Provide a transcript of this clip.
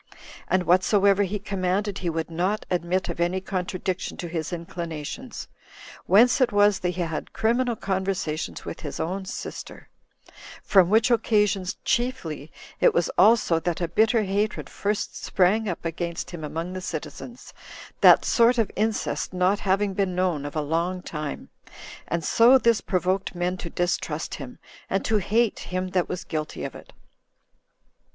And whatsoever he commanded, he would not admit of any contradiction to his inclinations; whence it was that he had criminal conversation with his own sister; 10 from which occasion chiefly it was also that a bitter hatred first sprang up against him among the citizens, that sort of incest not having been known of a long time; and so this provoked men to distrust him, and to hate him that was guilty of it.